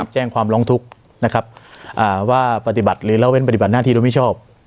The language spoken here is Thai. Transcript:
แจ้งความร้องทุกข์นะครับว่าปฏิบัติหรือละเว้นปฏิบัติหน้าที่โดยมิชอบ